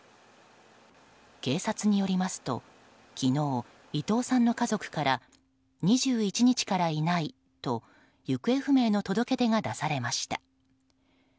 警察によりますと昨日、伊藤さんの家族から２１日からいないと行方不明の届け出が出されました。